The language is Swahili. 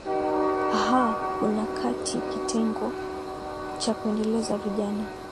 aha kuna katika kitengo cha kuendeleza vijana